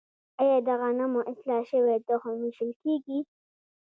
آیا د غنمو اصلاح شوی تخم ویشل کیږي؟